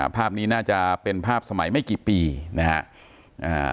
ภาพนี้น่าจะเป็นภาพสมัยไม่กี่ปีนะฮะ